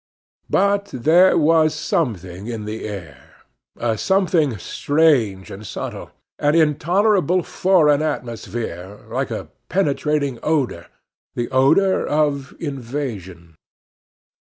But there was something in the air, a something strange and subtle, an intolerable foreign atmosphere like a penetrating odor the odor of invasion.